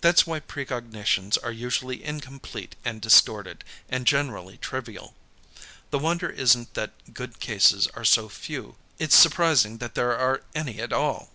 That's why precognitions are usually incomplete and distorted, and generally trivial. The wonder isn't that good cases are so few; it's surprising that there are any at all."